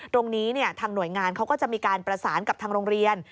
ตรงนี้ทางหน่วยงานเขาก็จะมีการประสานกับทางโรงเรียน